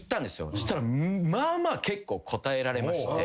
そしたらまあまあ結構答えられまして。